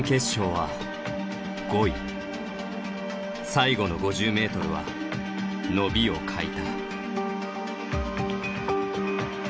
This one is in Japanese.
最後の５０ｍは伸びを欠いた。